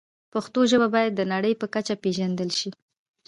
پښتو ژبه باید د نړۍ په کچه پېژندل شي.